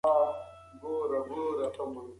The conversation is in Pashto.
د اوازو خپرول يې زيانمن بلل.